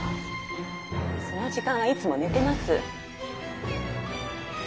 その時間はいつもねてます。